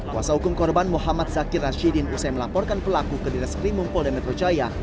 kuasa hukum korban muhammad zakir rashidin usai melaporkan pelaku ke direskrimum polda metro jaya